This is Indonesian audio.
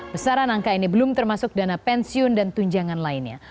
besaran angka ini belum termasuk dana pensiun dan tunjangan lainnya